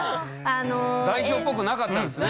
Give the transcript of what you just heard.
代表っぽくなかったんですね。